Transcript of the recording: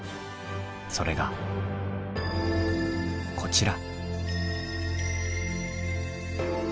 それがこちら。